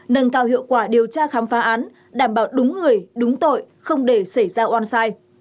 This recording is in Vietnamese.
nâng cao hiệu quả điều tra khám phá án đảm bảo đúng người đúng tội không để xảy ra oan sai